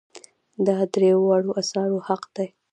دا د دریو واړو آثارو حق دی.